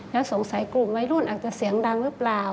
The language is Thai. แล้วสงสัยกลุ่มวัยรุ่นอาจจะเสียงดังหรือเปล่า